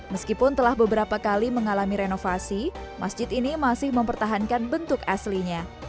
meskipun telah beberapa kali mengalami renovasi masjid ini masih mempertahankan bentuk aslinya